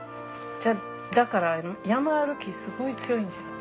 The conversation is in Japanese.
じゃあだから山歩きすごい強いんじゃない？